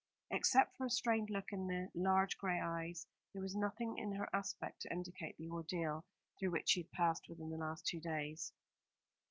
Except for a strained look in the large grey eyes, there was nothing in her aspect to indicate the ordeal through which she had passed within the last two days.